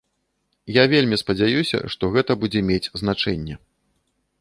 Я вельмі спадзяюся, што гэта будзе мець значэнне.